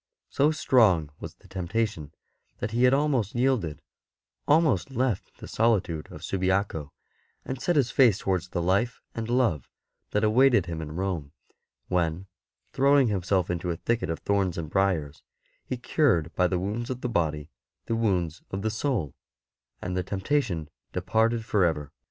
So strong was the temptation that he had almost yielded — almost left the solitude of Subiaco and set his face towards the life and love that awaited him in Rome, when, throwing himself into a thicket of thorns and briers, he cured by the wounds of the body the wounds of the soul, and the temptation departed for ever.